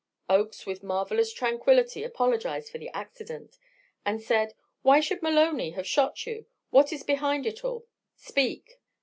Oakes with marvelous tranquillity apologized for the "accident," and said: "Why should Maloney have shot you? what is behind it all? Speak."